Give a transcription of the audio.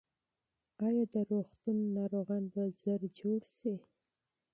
ایا د روغتون ناروغان به ژر جوړ شي؟